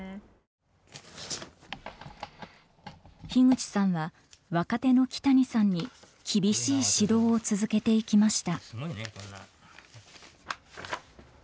口さんは若手の木谷さんに厳しい指導を続けていきました。